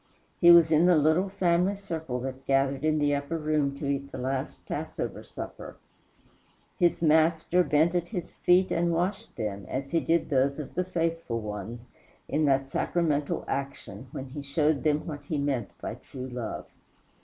He was in the little family circle that gathered in the upper room to eat the last passover supper. His Master bent at his feet and washed them, as he did those of the faithful ones, in that sacramental action when he showed them what he meant by true love.